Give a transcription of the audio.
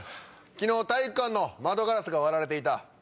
昨日体育館の窓ガラスが割られていた。